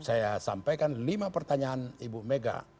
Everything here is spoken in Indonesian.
saya sampaikan lima pertanyaan ibu mega